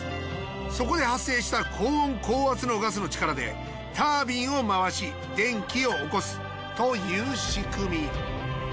そこで発生した高温高圧のガスの力でタービンを回し電気を起こすという仕組み。